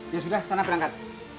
ya sudah sana perangkat